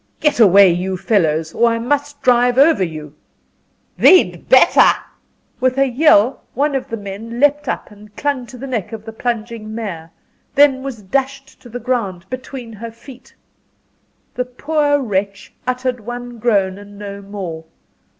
"Get away, you fellows, or I must drive over you!" "Thee'd better!" With a yell, one of the men leaped up and clung to the neck of the plunging mare then was dashed to the ground between her feet. The poor wretch uttered one groan and no more.